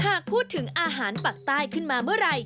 หากพูดถึงอาหารปากใต้ขึ้นมาเมื่อไหร่